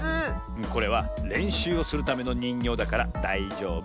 これはれんしゅうをするためのにんぎょうだからだいじょうぶ。